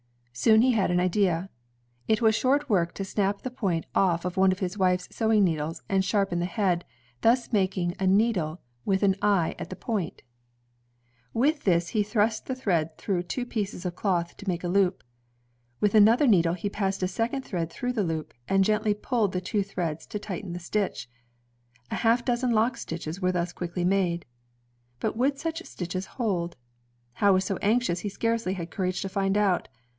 Soon he had an idea. It was short work to snap the point off of one of his wife's sewing needles and sharpen the head, thus making a needle with an eye at the point. ItOWE WATCBINO HIS WIFE SEW With this he thrust the thread through two pieces of cloth to make a loop. With another needle he passed a second thread through the loop, and gently pulled the two threads to listen the stitch. A half dozen lock stitches were thus quickly made. But would such stitches hold? Howe was so anxious he scarcely had courage to find out.